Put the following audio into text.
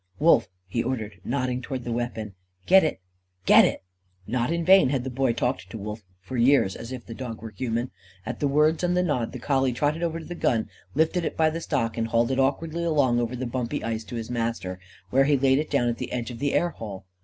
"Wolf!" he ordered, nodding towards the weapon. "Get it! Get it!" Not in vain had the Boy talked to Wolf, for years, as if the dog were human. At the words and the nod, the collie trotted over to the gun, lifted it by the stock, and hauled it awkwardly along over the bumpy ice to his master, where he laid it down at the edge of the air hole.